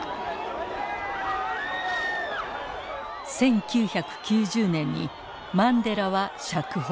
１９９０年にマンデラは釈放。